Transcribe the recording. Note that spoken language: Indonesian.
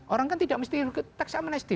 orang kan tidak mesti tax amnesty